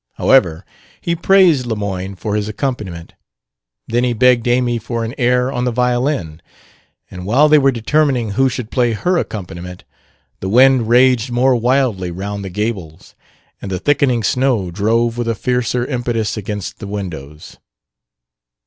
However, he praised Lemoyne for his accompaniment. Then he begged Amy for an air on the violin; and while they were determining who should play her accompaniment, the wind raged more wildly round the gables and the thickening snow drove with a fiercer impetus against the windows.